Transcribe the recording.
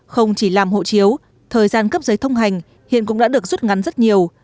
không chỉ làm hộ chiếu thời gian cấp giấy thông hành hiện cũng đã được rút ngắn rất nhiều